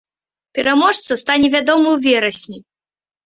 Пераможца стане вядомы ў верасні.